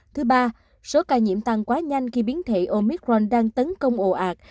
thứ ba số ca nhiễm tăng quá nhanh khi biến thể omicron đang tấn công ồ ạt